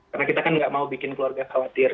karena kita kan nggak mau bikin keluarga khawatir